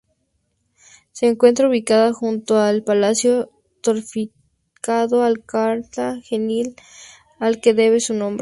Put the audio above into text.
Se encuentra ubicada junto al palacio fortificado Alcázar Genil, al que debe su nombre.